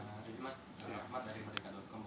jadi mas saya ahmad dari merdeka com